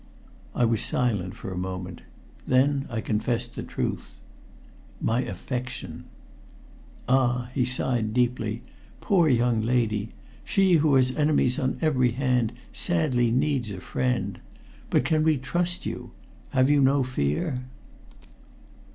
I was silent for a moment. Then I confessed the truth. "My affection." "Ah!" he sighed deeply. "Poor young lady! She, who has enemies on every hand, sadly needs a friend. But can we trust you have you no fear?"